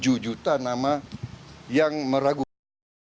orang lebih semuanya teman yang tersenyum seperti ini dengan pr physically